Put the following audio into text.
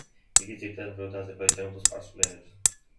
იგი ძირითადად მღეროდა აზერბაიჯანულ და სპარსულ ენებზე.